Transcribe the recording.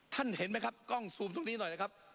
เห็นไหมครับกล้องซูมตรงนี้หน่อยนะครับ